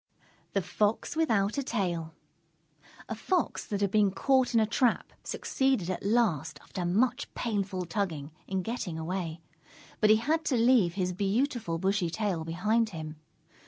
_ THE FOX WITHOUT A TAIL A Fox that had been caught in a trap, succeeded at last, after much painful tugging, in getting away. But he had to leave his beautiful bushy tail behind him.